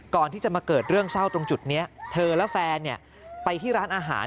ก่อนที่จะมาเกิดเรื่องเศร้าตรงจุดนี้เธอและแฟนไปที่ร้านอาหาร